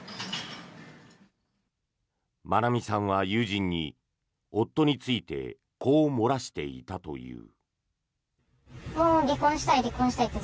愛美さんは友人に夫についてこう漏らしていたという。